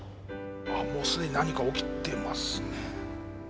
あもうすでに何か起きてますね。